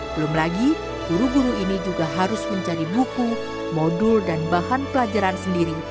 belum lagi guru guru ini juga harus mencari buku modul dan bahan pelajaran sendiri